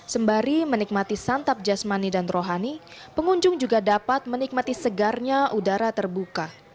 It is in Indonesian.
sembari menikmati santap jasmani dan rohani pengunjung juga dapat menikmati segarnya udara terbuka